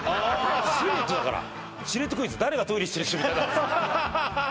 シルエットだからシルエットクイズ誰がトイレしてる人みたいなんです